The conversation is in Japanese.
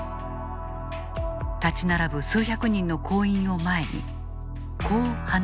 立ち並ぶ数百人の行員を前にこう話したという。